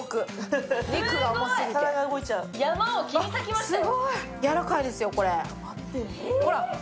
山を切り裂きましたよ。